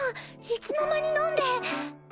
いつの間に飲んで。